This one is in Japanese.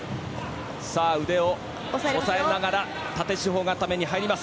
腕を押さえながら縦四方固めに入ります。